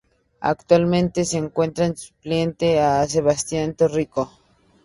Actualmente se encuentra supliendo a Sebastián Torrico.